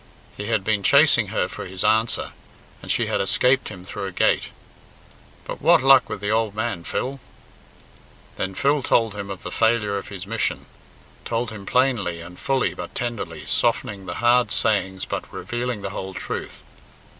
He had been chasing her for his answer, and she had escaped him through a gate. "But what luck with the ould man, Phil?" Then Phil told him of the failure of his mission told him plainly and fully but tenderly, softening the hard sayings but revealing the whole truth.